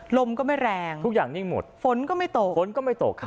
ลมก็ไม่แรงทุกอย่างนิ่งหมดฝนก็ไม่ตกฝนก็ไม่ตกค่ะ